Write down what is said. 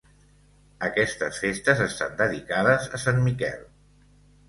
Aquestes festes estan dedicades a Sant Miquel.